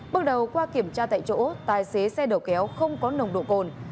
bước đầu qua kiểm tra tại chỗ tài xế xe đầu kéo không có nồng độ cồn